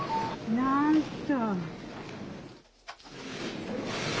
なんと。